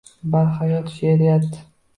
Barhayot she’riyat